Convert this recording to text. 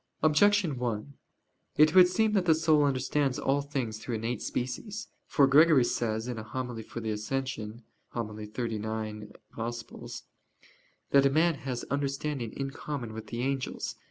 Objection 1: It would seem that the soul understands all things through innate species. For Gregory says, in a homily for the Ascension (xxix in Ev.), that "man has understanding in common with the angels."